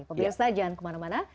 pobiasa jangan kemana mana